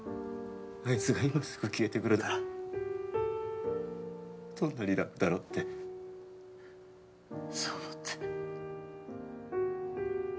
あいつが今すぐ消えてくれたらどんなに楽だろうってそう思って。